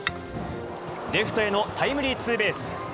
レフトへのタイムリーツーベース。